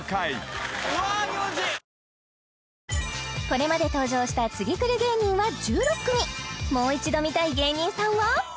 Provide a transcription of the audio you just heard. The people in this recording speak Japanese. これまで登場した次くる芸人は１６組もう一度見たい芸人さんは？